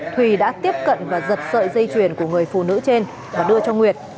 thùy đã tiếp cận và giật sợi dây chuyền của người phụ nữ trên và đưa cho nguyệt